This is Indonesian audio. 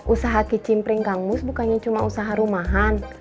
usaha kicimpring kang mus bukannya cuma usaha rumahan